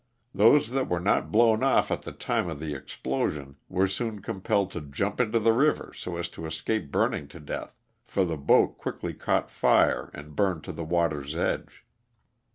Those that were not blown off at the time of the explosion were soon compelled to jump into the river so as to escape burning to death, for the boat quickly caught fire and burned to the water's edge.